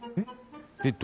えっ？